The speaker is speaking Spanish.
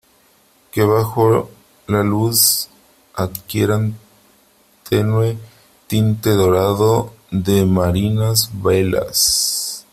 que bajo la luz adquirían tenue tinte dorado de marinas velas .